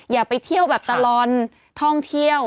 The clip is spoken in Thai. อย่าไปเที่ยวแบบตลอดท่องเที่ยว